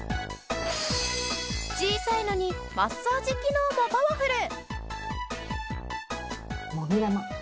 小さいのにマッサージ機能もパワフル！